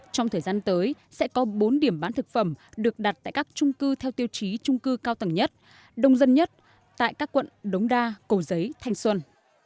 trong thời gian tới sẽ có bốn điểm bán thực phẩm được đặt tại các trung cư theo tiêu chí trung cư cao tầng nhất đông dân nhất tại các quận đống đa cầu giấy thanh xuân